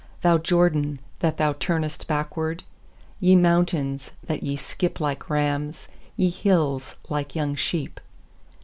Thou Jordan, that thou turnest backward? 6Ye mountains, that ye skip like rams , Ye hills, like young sheep?